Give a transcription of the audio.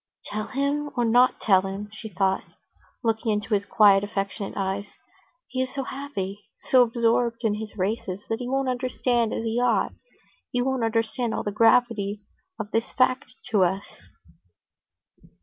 "Tell him or not tell him?" she thought, looking into his quiet, affectionate eyes. "He is so happy, so absorbed in his races that he won't understand as he ought, he won't understand all the gravity of this fact to us."